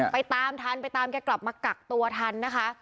ตามทันไปตามแกกลับมากักตัวทันนะคะ